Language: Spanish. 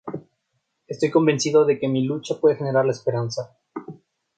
Estoy convencida de que mi lucha puede generar la esperanza".